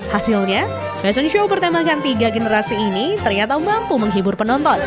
hasilnya fashion show bertemakan tiga generasi ini ternyata mampu menghibur penonton